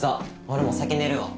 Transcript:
俺もう先寝るわ。